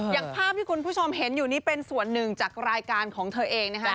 อย่างภาพที่คุณผู้ชมเห็นอยู่นี่เป็นส่วนหนึ่งจากรายการของเธอเองนะฮะ